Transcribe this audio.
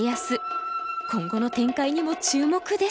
今後の展開にも注目です。